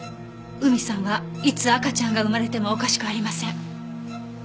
海さんはいつ赤ちゃんが産まれてもおかしくありません。